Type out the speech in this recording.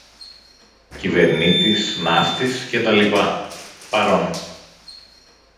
Κυβερνήτης, ναύτης και τα λοιπά, παρών!